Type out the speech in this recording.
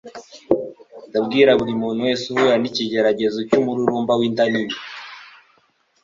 ndabwira buri muntu wese uhura n'ikigeragezo cy'umururumba w'inda nini